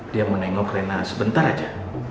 dia menengok rena sebentar aja